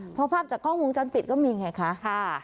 พอภาพจากก้องมุมจันติดก็มีอย่างไรค่ะ